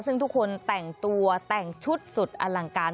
ซึ่งทุกคนแต่งตัวแต่งชุดสุดอลังการ